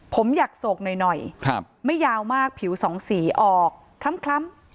ผมอยากโศกหน่อยไม่ยาวมากผิวสองสีออกคล้ำ